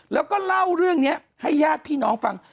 แล้วก็เล่าเรื่องนี้ให้ญาติพี่น้องฟัง